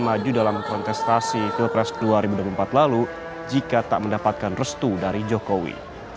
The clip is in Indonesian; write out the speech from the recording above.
maju dalam kontestasi pilpres dua ribu dua puluh empat lalu jika tak mendapatkan restu dari jokowi